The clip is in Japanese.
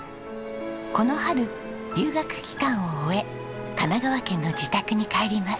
この春留学期間を終え神奈川県の自宅に帰ります。